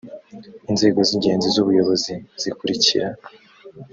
inzego z ingenzi z ubuyobozi zikurikira